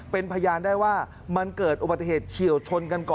เป็นพยานได้ว่ามันเกิดอุบัติเหตุเฉียวชนกันก่อน